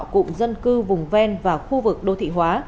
cụm dân cư vùng ven và khu vực đô thị hóa